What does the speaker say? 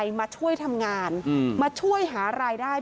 พ่อแม่มาเห็นสภาพศพของลูกร้องไห้กันครับขาดใจ